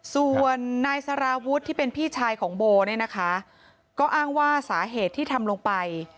ส่วนนายสารวุฒิที่เป็นพี่ชายของโบเนี่ยนะคะก็อ้างว่าสาเหตุที่ทำลงไป